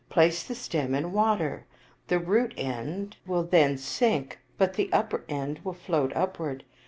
Place the stem in water. The root end will then 54 Visakha sink, but the upper end will float upward.